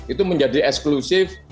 itu menjadi eksklusif